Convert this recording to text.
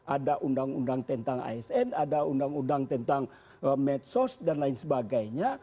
ada undang undang tentang asn ada undang undang tentang medsos dan lain sebagainya